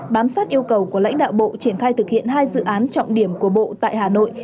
bám sát yêu cầu của lãnh đạo bộ triển khai thực hiện hai dự án trọng điểm của bộ tại hà nội